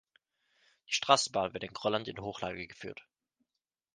Die Straßenbahn wird in Grolland in Hochlage geführt.